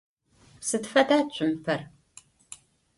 Сыд фэда цумпэр?